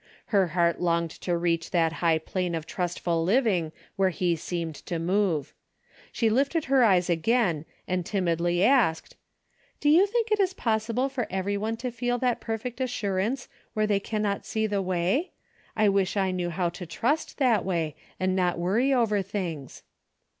Her heart longed to reach that high plane of trust ful living where he seemed to move. She lifted her eyes again and timidly asked :" Do you think it is possible for every one to feel that perfect assurance where they cannot see the way ? I wish I knew how to trust that way and not worry over things."